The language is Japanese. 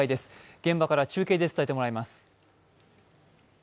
現場から中継で伝えてもらいます。